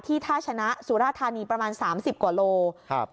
ท่าชนะสุราธานีประมาณสามสิบกว่าโลครับ